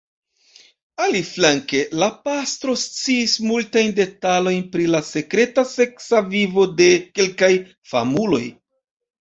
Aliflanke, la pastro sciis multajn detalojn pri la sekreta seksa vivo de kelkaj famuloj.